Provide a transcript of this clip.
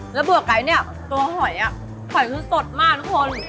แล้วเบื่อไก่เนี่ยตัวหอยหอยคือสดมากทุกคน